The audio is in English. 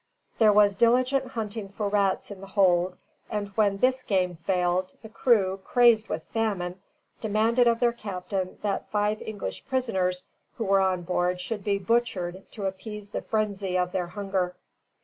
There was diligent hunting for rats in the hold; and when this game failed, the crew, crazed with famine, demanded of their captain that five English prisoners who were on board should be butchered to appease the frenzy of their hunger.